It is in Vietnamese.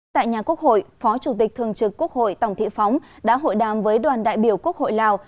tại nhà quốc hội phó chủ tịch thường trực quốc hội tổng thị phóng đã hội đàm với đoàn đại biểu quốc hội lào